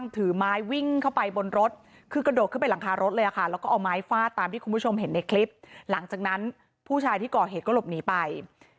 ที่คุณผู้ชมเห็นในคลิปหลังจากนั้นผู้ชายที่ก่อเหตุก็หลบหนีไป